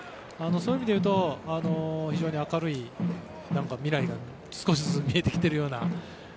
そういう意味でいうと非常に明るい未来が少しずつ見えてきているような。